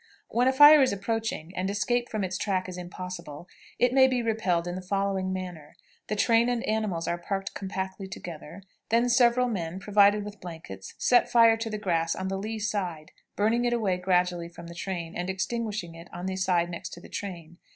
When a fire is approaching, and escape from its track is impossible, it may be repelled in the following manner: The train and animals are parked compactly together; then several men, provided with blankets, set fire to the grass on the lee side, burning it away gradually from the train, and extinguishing it on the side next the train.